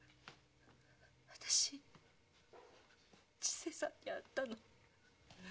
私千世さんに会ったの。